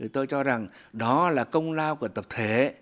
tôi cho rằng đó là công lao của tập thể